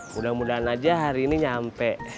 mudah mudahan aja hari ini nyampe